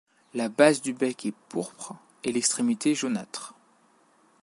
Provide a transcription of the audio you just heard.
La base du bec est pourpre et l'extrémité jaunâtre.